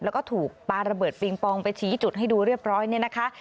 แล้วก็ถูกปลาระเบิดปิงปองไปชี้จุดให้ดูเรียบร้อยเนี่ยนะคะ